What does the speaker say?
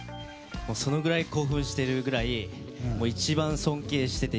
そのくらい興奮しているくらい一番尊敬してて